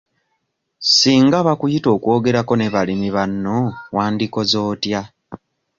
Singa bakuyita okwogerako ne balimi banno wandikoze otya?